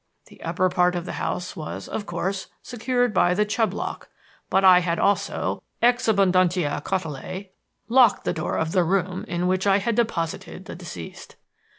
The upper part of the house was, of course, secured by the Chubb lock, but I had also ex abundantiâ cautelae locked the door of the room in which I had deposited the deceased.